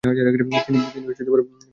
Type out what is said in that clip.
তিনি বিজয়ী হন।